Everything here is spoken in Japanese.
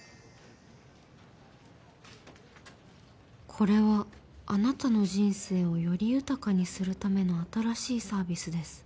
「これはあなたの人生をより豊かにするための新しいサービスです」